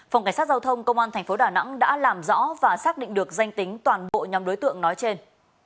phòng cảnh sát giao thông công an tp đà nẵng đã làm rõ và xác định được danh tính toàn bộ nhóm đối tượng nói trên